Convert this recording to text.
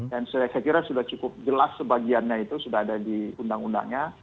dan saya kira sudah cukup jelas sebagiannya itu sudah ada di undang undangnya